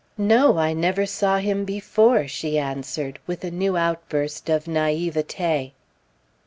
"No, I never saw him before!" she answered with a new outburst of naïveté.